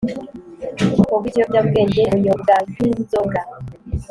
ubwoko bw’ikiyobyabwenge bunyobwank’inzoga